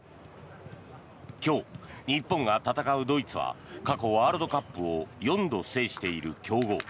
今日、日本が戦うドイツは過去、ワールドカップを４度制している強豪。